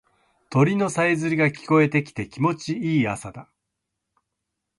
鳥のさえずりが聞こえてきて気持ちいい朝だ。